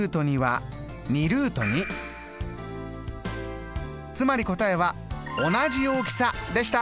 つまり答えは同じ大きさでした。